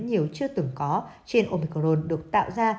nhiều chưa từng có trên omicron được tạo ra